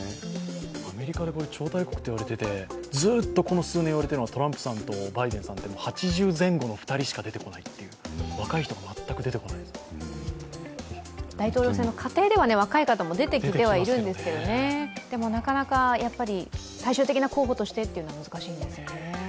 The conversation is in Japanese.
アメリカで超大国と言われて、ずっと数年いわれているのはトランプさんとバイデンさんで８０前後の２人しか出てこないという、大統領選の過程では若い人も出てきているんですけどなかなか最終的な候補としてというのは難しいんですね。